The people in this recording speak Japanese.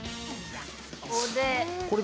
これ。